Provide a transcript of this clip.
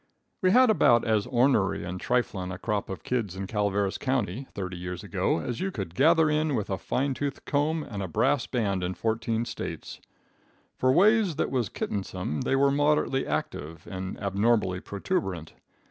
We had about as ornery and triflin' a crop of kids in Calaveras county, thirty years ago, as you could gather in with a fine tooth comb and a brass band in fourteen States. For ways that was kittensome they were moderately active and abnormally protuberant.